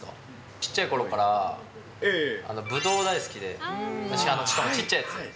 ちっちゃいころからブドウ大好きで、しかもちっちゃいやつ。